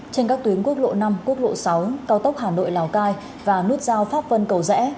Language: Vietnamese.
trên các tuyến quốc lộ năm quốc lộ sáu cao tốc hà nội lào cai và nút giao pháp vân cầu rẽ